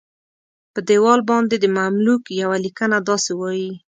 په دیوال باندې د مملوک یوه لیکنه داسې وایي.